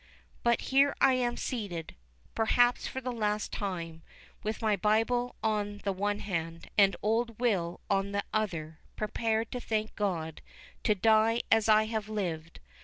—But here am I seated—perhaps for the last time, with my Bible on the one hand, and old Will on the other, prepared, thank God, to die as I have lived.